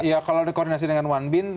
ya kalau di koordinasi dengan one bin